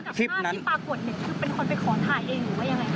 รูปภาพที่ปรากฏหนูเป็นคนไปขอถ่ายเองหรือยังไง